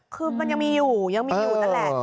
คือมันยังมีอยู่ยังมีอยู่นั่นแหละ